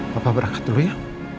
papa berangkat dulu ya